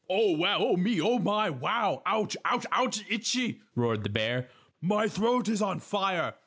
"Oh, wow! Oh, me! Oh, my! Wow! Ouch! Ouchie! Itchie!" roared the bear. "My throat is on fire!